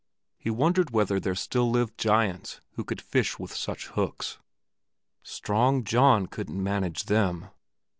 He wondered whether there still lived giants who could fish with such hooks. Strong John couldn't manage them!